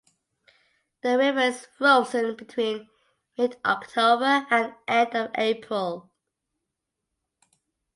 The river is frozen between mid October and end of April.